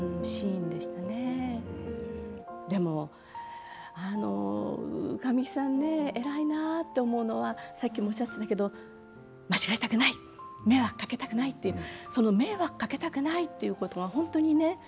でも神木さんね偉いなって思うのはさっきもおっしゃってたけど間違えたくない迷惑かけたくないっていうその迷惑かけたくないっていうことが本当にね